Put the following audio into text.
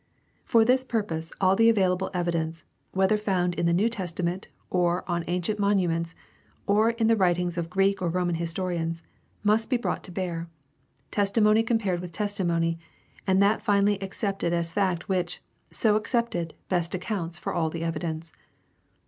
For this purpose all the available evidence, whether found in the New Testa ment, or on ancient monuments, or in the writings of Greek or Roman historians, must be brought to bear, testimony com pared with testimony, and that finally accepted as fact which, so accepted, best accounts for all the evidence.